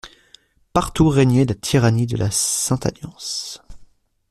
Partout régnait la tyrannie de la Sainte-Alliance.